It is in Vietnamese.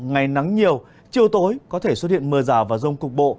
ngày nắng nhiều chiều tối có thể xuất hiện mưa rào và rông cục bộ